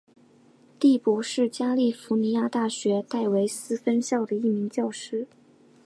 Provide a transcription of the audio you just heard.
第伯是加利福尼亚大学戴维斯分校的一名教师。